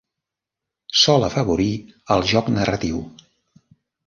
Sol afavorir el joc narratiu.